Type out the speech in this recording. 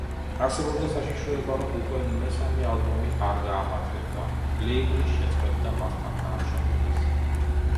არსებობდა საშიშროება, რომ თუ მესამე ალბომი არ გაამართლებდა, ლეიბლი შეწყვეტდა მასთან თანამშრომლობას.